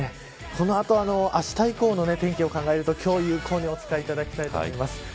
この後は、あした以降の天気を考えると今日有効にお使いいただきたいと思います。